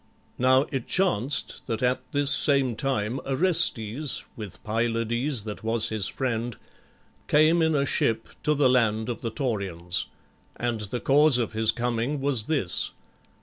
Now it chanced that at this same time Orestes, with Pylades that was his friend, came in a ship to the land of the Taurians. And the cause of his coming was this.